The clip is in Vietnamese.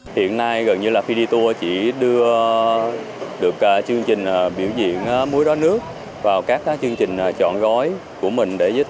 hiện nay gần như là phi đi tour chỉ đưa được chương trình biểu diễn múa đoán nước vào các chương trình trọn gói